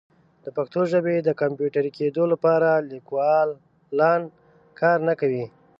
د پښتو ژبې د کمپیوټري کیدو لپاره لیکوالان کار نه کوي.